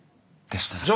でしたら。